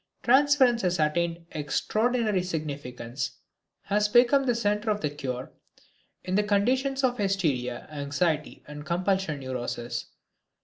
Transference has attained extraordinary significance, has become the centre of the cure, in the conditions of hysteria, anxiety and compulsion neuroses.